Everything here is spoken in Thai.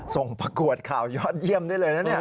ส่งประกวดข่าวยอดเยี่ยมได้เลยนะ